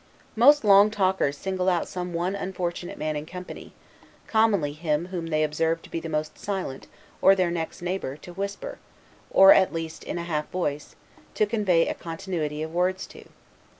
Most long talkers single out some one unfortunate man in company (commonly him whom they observe to be the most silent, or their next neighbor) to whisper, or at least in a half voice, to convey a continuity of words to.